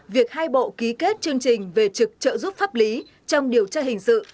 việc hai bộ ký kết chương trình về trực trợ giúp pháp lý trong điều tra hình sự